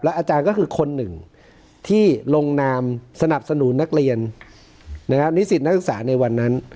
อาจารย์ก็คือคนหนึ่งที่ลงนามสนับสนุนนักเรียนนิสิตนักศึกษาในวันนั้น